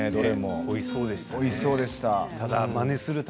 おいしそうでした。